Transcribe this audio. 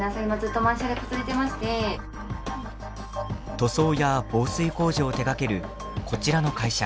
塗装や防水工事を手がけるこちらの会社。